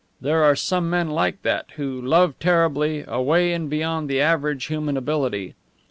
There are some men like that, who love terribly, away and beyond the average human ability.